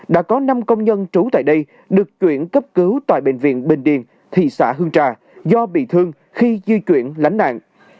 đã có năm công nhân trú tại đây được chuyển cấp cứu tại bệnh viện bình điền thị xã hương trà do bị thương khi di chuyển lánh nạn